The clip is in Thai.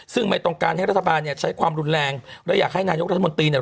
ซึ่งไม่ต้องการให้รัฐบาลเนี่ยใช้ความรุนแรงและอยากให้นายกรัฐมนตรีเนี่ย